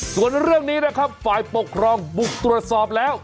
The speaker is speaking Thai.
ส่วนเรื่องนี้นะครับฝ่ายปกครองบุกตรวจสอบแล้ว